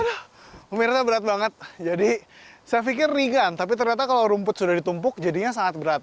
wah pemirsa berat banget jadi saya pikir ringan tapi ternyata kalau rumput sudah ditumpuk jadinya sangat berat